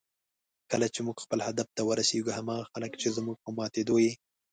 کله چې موږ خپل هدف ته ورسېږو، هماغه خلک چې زموږ په ماتېدو یې